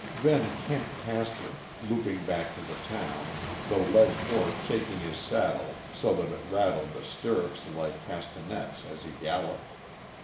Then Kent passed her, loping back to the town, the led horse shaking his saddle so that it rattled the stirrups like castanets as he galloped.